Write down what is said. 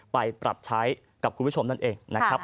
ไปปรับใช้กับคุณผู้ชมนั่นเองนะครับ